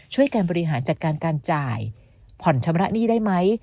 ช่วยการบริหารจัดการการจ่ายผ่อนชำระหนี้ได้ไหม